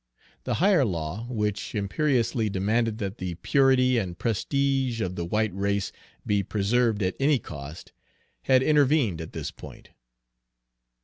The higher law, which imperiously demanded that the purity and prestige of the white race be preserved at any cost, had intervened at this point.